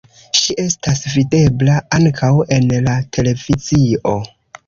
Ŝi estas videbla ankaŭ en la televizio.